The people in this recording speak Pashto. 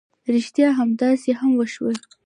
ريښتيا همداسې هم وشول.